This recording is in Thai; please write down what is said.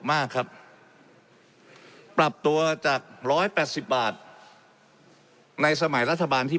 มากครับปรับตัวจากร้อยแปดสิบบาทในสมัยรักษาที่